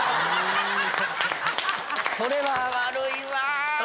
それは悪いわ。